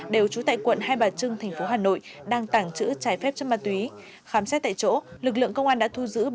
đều trú tại quận hai bà trưng tp hà nội đang tàng trữ trái phép cho ma túy